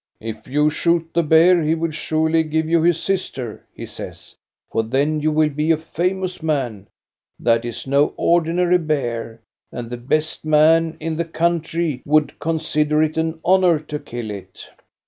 " If you shoot the bear, he will surely give you his sister," he says, " for then you will be a famous man. That is no ordinary bear, and the best men in the country would consider it an honor to kill it."